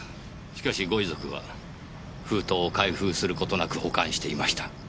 しかしご遺族は封筒を開封する事なく保管していました。